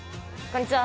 こんにちは。